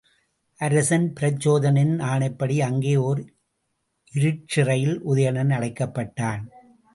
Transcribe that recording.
அரசன் பிரச்சோதனனின் ஆணைப்படி அங்கே ஓர் இருட்சிறையில் உதயணன் அடைக்கப்பட்டான்.